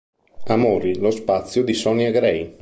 Amori" lo spazio di Sonia Grey.